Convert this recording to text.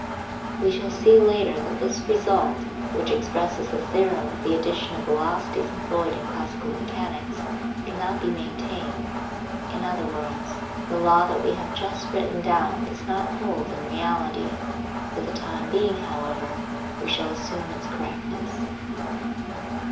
We shall see later that this result, which expresses the theorem of the addition of velocities employed in classical mechanics, cannot be maintained ; in other words, the law that we have just written down does not hold in reality. For the time being, however, we shall assume its correctness.